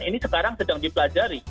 ini sekarang sedang dipelajari